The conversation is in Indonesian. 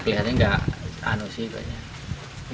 kelihatan nggak ano sih kayaknya